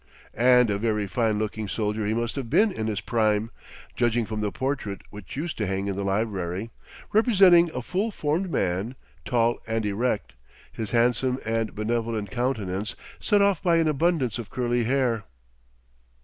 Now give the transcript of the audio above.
And a very fine looking soldier he must have been in his prime, judging from the portrait which used to hang in the library, representing a full formed man, tall and erect, his handsome and benevolent countenance set off by an abundance of curly hair.